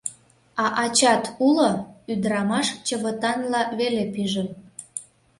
«А ачат уло?» — ӱдырамаш чывытанла веле пижын.